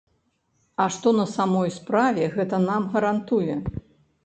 А што на самой справе гэта нам гарантуе?